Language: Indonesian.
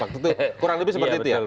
kurang lebih seperti itu ya